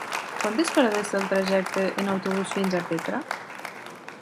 Quantes parades té el trajecte en autobús fins a Petra?